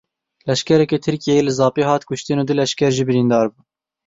Leşkerekî Tirkiyeyê li Zapê hat kuştin û du leşker jî birîndar in.